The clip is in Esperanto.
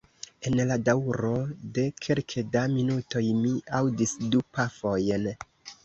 En la daŭro de kelke da minutoj mi aŭdis du pafojn.